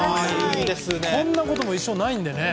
こんなことももう一生ないのでね。